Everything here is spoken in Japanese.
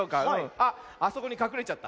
あっあそこにかくれちゃった。